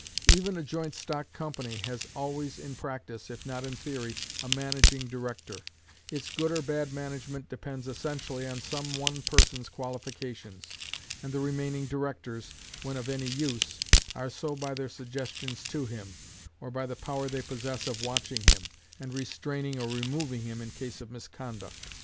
Even a joint stock company has always in practice, if not in theory, a managing director; its good or bad management depends essentially on some one person's qualifications, and the remaining directors, when of any use, are so by their suggestions to him, or by the power they possess of watching him, and restraining or removing him in case of misconduct.